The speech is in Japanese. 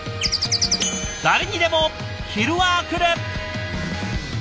誰にでも昼はくる！